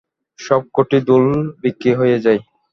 সব কটি দুল বিক্রি হয়ে যায়।